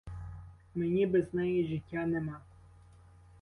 Мені без неї життя нема.